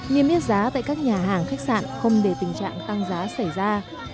niêm yết giá tại các nhà hàng khách sạn không để tình trạng tăng giá xảy ra